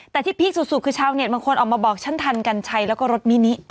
แต่ที่พีคสุดคือชาวเน็ตบางคนออกมาบอกฉันทันกัญชัยแล้วก็รถมินิ